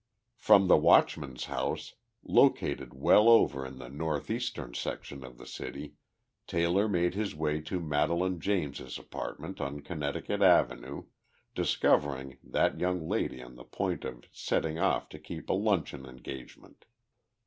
From the watchman's house, located well over in the northeastern section of the city, Taylor made his way to Madelaine James's apartment on Connecticut Avenue, discovering that young lady on the point of setting off to keep a luncheon engagement.